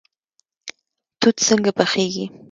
توت څنګه پخیږي؟